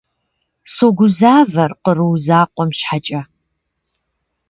Согузавэр къру закъуэм щхьэкӏэ.